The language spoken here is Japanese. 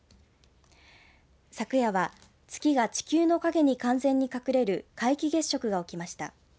昨夜は月が地球の影に完全に隠れる皆既月食が起きました。